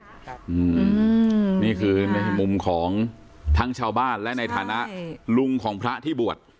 อืมนี่คือในมุมของทั้งชาวบ้านและในฐานะลุงของพระที่บวช